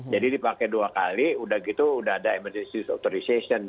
jadi dipakai dua kali udah gitu udah ada emergency authorization